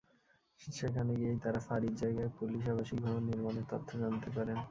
সেখানে গিয়েই তাঁরা ফাঁড়ির জায়গায় পুলিশ আবাসিক ভবন নির্মাণের তথ্য জানতে পারেন।